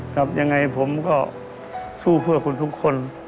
ครับยังไงผมก็สู้เพื่อคุณทุกคน